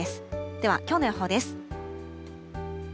では、きょうの予報です。